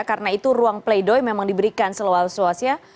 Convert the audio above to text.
karena itu ruang play doh memang diberikan seluas luasnya